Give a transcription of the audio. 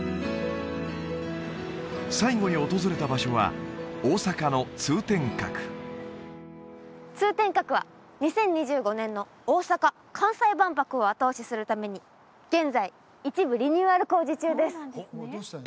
最後に訪れた場所は通天閣は２０２５年の大阪・関西万博を後押しするために現在一部リニューアル工事中です